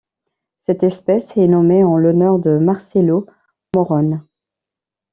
Cette espèce est nommée en l'honneur de Marcello Morone.